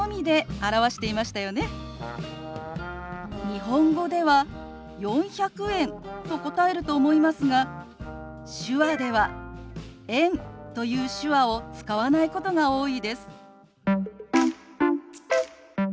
日本語では「４００円」と答えると思いますが手話では「円」という手話を使わないことが多いです。